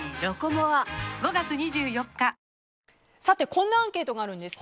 こんなアンケートがあるんです。